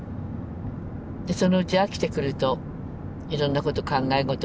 そのうち飽きてくるといろんなこと考え事もできるし。